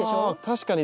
確かに。